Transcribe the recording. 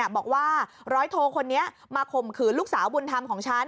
บอกว่าร้อยโทคนนี้มาข่มขืนลูกสาวบุญธรรมของฉัน